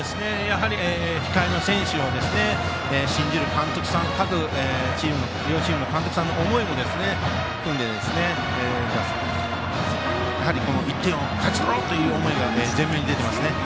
控えの選手を信じる両チームの監督さんの思いを酌んで１点を勝ち取ろうという思いが前面に出ていますね。